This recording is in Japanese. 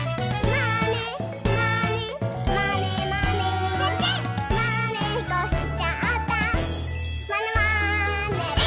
「まねっこしちゃったまねまねぽん！」